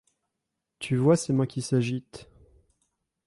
tu vois ces mains qui s'agitent.